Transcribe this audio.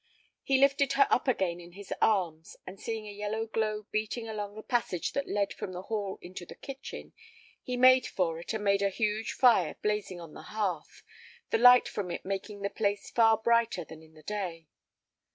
He lifted her up again in his arms, and seeing a yellow glow beating along the passage that led from the hall into the kitchen, he made for it and found a huge fire blazing on the hearth, the light from it making the place far brighter than in the day.